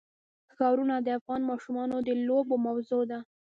ښارونه د افغان ماشومانو د لوبو موضوع ده.